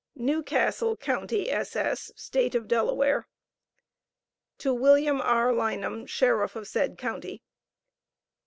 New Castle county, ss., State of Delaware. To Wm. R. Lynam, Sheriff of said county.